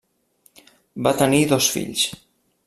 Va tenir dos fills: